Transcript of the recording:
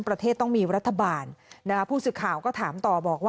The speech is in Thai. ประเทศต้องมีรัฐบาลผู้สื่อข่าวก็ถามต่อ